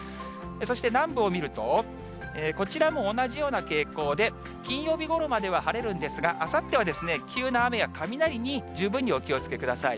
そして南部を見ると、こちらも同じような傾向で、金曜日ごろまでは晴れるんですが、あさっては急な雨や雷に十分にお気をつけください。